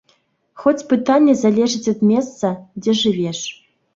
Хоць пытанне залежыць ад месца, дзе жывеш.